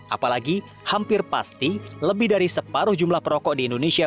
apalagi hampir pasti lebih dari separuh jumlah perokok di indonesia